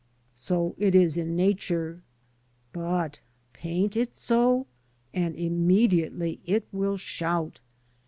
So it is in Nature; but paint it so, and immediately it will "shout."